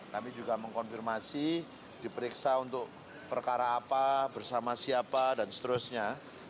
kami juga mengkonfirmasi diperiksa untuk perkara apa bersama siapa dan seterusnya